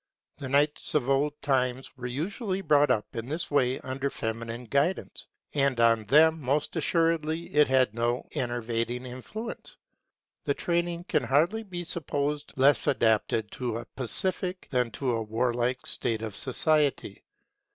The knights of old times were usually brought up in this way under feminine guidance, and on them most assuredly it had no enervating influence. The training can hardly be supposed less adapted to a pacific than to a warlike state of society.